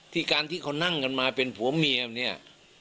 ที่การที่เขานั่งกันมาเป็นผัวเมียเนี่ย